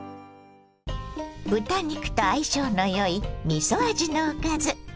豚肉と相性の良いみそ味のおかず。